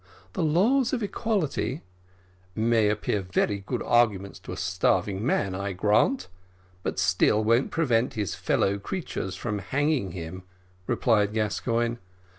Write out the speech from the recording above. The laws of equality " "May appear very good arguments to a starving man, I grant, but still, won't prevent his fellow creatures from hanging him," replied Gascoigne.